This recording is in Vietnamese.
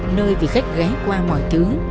nơi vì khách ghé qua mọi thứ